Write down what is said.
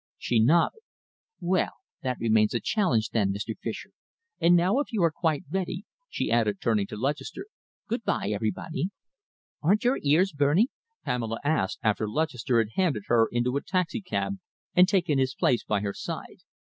She nodded. "Well, that remains a challenge, then, Mr. Fischer. And now, if you are quite ready," she added, turning to Lutchester.... "Good by, everybody!" "Aren't your ears burning?" Pamela asked, after Lutchester had handed her into a taxicab and taken his place by her side.